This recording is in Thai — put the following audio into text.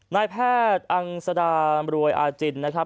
นายแพทย์อังสดามรวยอาจินนะครับ